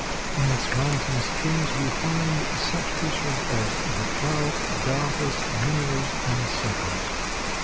In its mountain streams we find such fishes as the trout, darters, minnows and suckers.